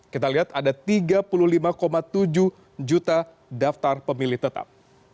kita lihat ada tiga puluh lima tujuh juta daftar pemilih tetap